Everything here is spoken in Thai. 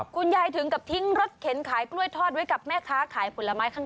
คุณยายถึงกับทิ้งรถเข็นขายกล้วยทอดไว้กับแม่ค้าขายผลไม้ข้าง